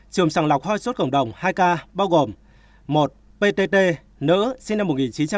chùm sòng lọc hoi sốt cộng đồng hai ca bao gồm một ptt nữ sinh năm một nghìn chín trăm chín mươi bảy